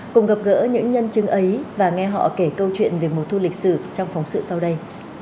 cùng gặp gỡ những nhân chứng ấy và nghe họ kể câu chuyện về mùa thu lịch sử trong phóng sự sau đây